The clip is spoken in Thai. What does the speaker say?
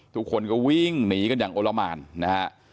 ทุกคนก็วิ่งหนีกันอย่างโอละมานนะฮะ